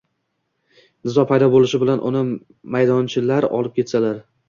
nizo paydo bo‘lishi bilan uni maydonchalar olib ketsalar